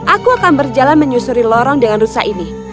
aku akan berjalan menyusuri lorong dengan rusa ini